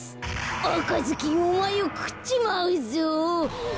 「あかずきんおまえをくっちまうぞ」。